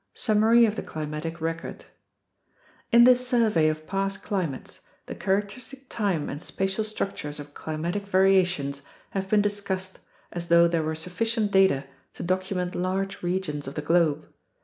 SUMMARY OF THE CLIMATIC RECORD In this survey of past climates, the characteristic time and spatial structures of climatic variations have been discussed as though there were sufficient data to document large regions of the globe.